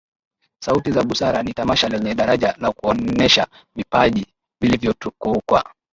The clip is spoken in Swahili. Sauti za busara ni tamasha lenye daraja la kuonesha vipaji vilivyotukuka